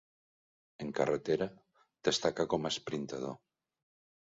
En carretera destaca com a esprintador.